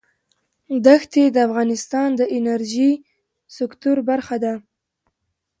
دښتې د افغانستان د انرژۍ سکتور برخه ده.